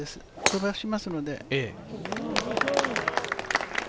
飛ばしますので。